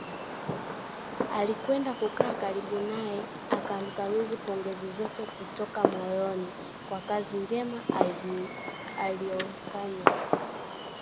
alikwenda kukaa karibu naye akamkabidhi pongezi zote kutoka 'moyoni' kwa kazi njema aloifanya